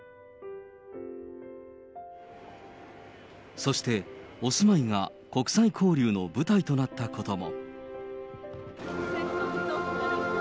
そしてお住まいが国際交流の舞台となったことも。